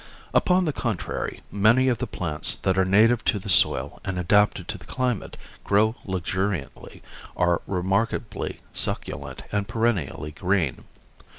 Upon the contrary many of the plants that are native to the soil and adapted to the climate grow luxuriantly, are remarkably succulent and perennially green.